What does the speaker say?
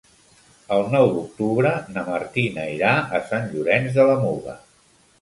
El nou d'octubre na Martina irà a Sant Llorenç de la Muga.